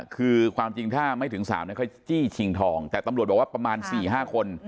คือความจริงถ้าไม่ถึง๓เขาจี้ชิงทองแต่ตำรวจบอกว่าประมาณ๔๕คน